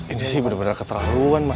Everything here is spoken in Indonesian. ini sih bener bener keterlaluan mah